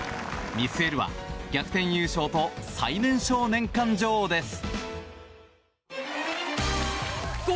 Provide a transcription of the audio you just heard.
見据えるは逆転優勝と最年少年間女王です。